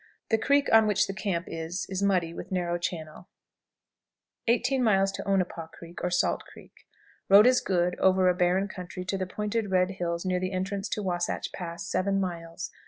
The creek on which the camp is muddy, with narrow channel. 18. Onapah Creek, or Salt Creek. Road is good over a barren country to the pointed red hills near the entrance to Wasatch Pass, 7 miles.